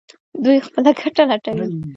دوی خپله ګټه لټوي.